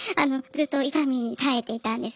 ずっと痛みに耐えていたんです。